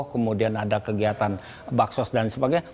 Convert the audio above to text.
kemudian ada kegiatan baksos dan sebagainya